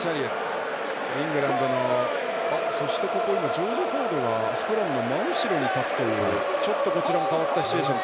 ジョージ・フォードがスクラムの真後ろに立つというちょっとこちらも変わったシチュエーション。